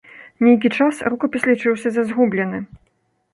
Нейкі час рукапіс лічыўся за згублены.